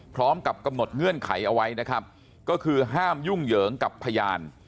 พร้อมกับกำหนดเงื่อนไขเอาไว้นะครับก็คือห้ามยุ่งเหยิงกับพยาน